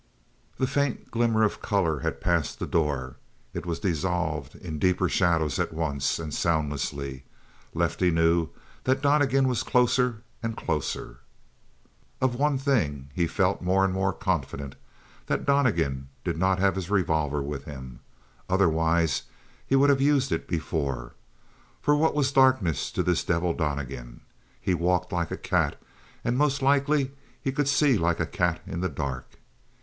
The faint glimmer of color had passed the door. It was dissolved in deeper shadows at once, and soundlessly; Lefty knew that Donnegan was closer and closer. Of one thing he felt more and more confident, that Donnegan did not have his revolver with him. Otherwise, he would have used it before. For what was darkness to this devil, Donnegan. He walked like a cat, and most likely he could see like a cat in the dark.